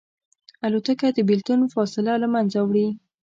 الوتکه د بېلتون فاصله له منځه وړي.